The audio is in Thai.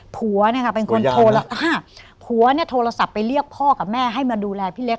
ผัวเนี่ยค่ะเป็นคนโทรผัวเนี่ยโทรศัพท์ไปเรียกพ่อกับแม่ให้มาดูแลพี่เล็ก